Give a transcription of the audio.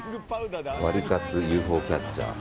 ワリカツＵＦＯキャッチャー。